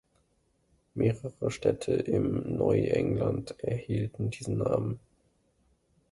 Mehrere Städte in Neuengland erhielten diesen Namen.